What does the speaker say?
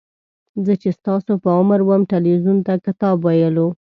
زه چې ستاسو په عمر وم تلویزیون ته کتاب ویلو.